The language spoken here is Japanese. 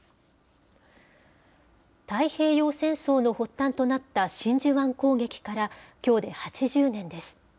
太平洋戦争の発端となった真珠湾攻撃から、きょうで８０年です。